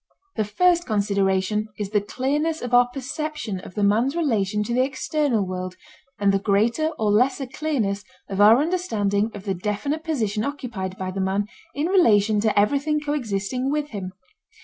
The first consideration is the clearness of our perception of the man's relation to the external world and the greater or lesser clearness of our understanding of the definite position occupied by the man in relation to everything coexisting with him.